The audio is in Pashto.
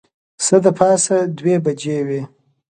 څه د پاسه دوې بجې وې.